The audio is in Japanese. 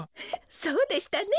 そうでしたね。